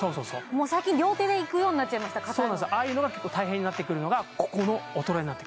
もう最近両手でいくようになっちゃいました硬いのああいうのが結構大変になってくるのがここの衰えええ